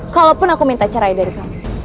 kalaupun aku minta cerai dari kamu